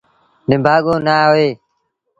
نڀآڳو نا هوئي۔